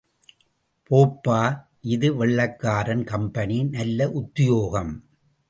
போப்பா இது வெள்ளைக்காரன், கம்பெனி... நல்ல உத்தியோகம்.